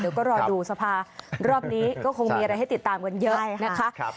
เดี๋ยวก็รอดูสภารอบนี้ก็คงมีอะไรให้ติดตามกันเยอะนะคะ